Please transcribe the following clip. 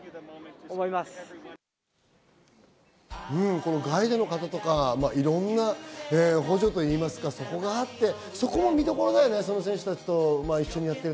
このガイドの方とかいろんな補助といいますか、そこがあって、そこも見どころだよね。